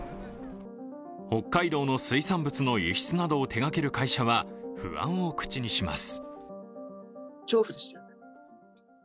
北海道の水産物の輸出などを手がける会社は不安を口にします。